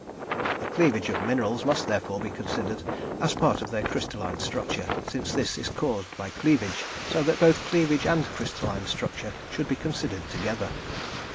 The cleavage of minerals must, therefore, be considered as a part of their crystalline structure, since this is caused by cleavage, so that both cleavage and crystalline structure should be considered together.